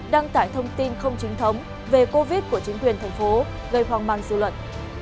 đăng tải thông tin không chính thống về covid của chính quyền thành phố gây hoang mang dư luận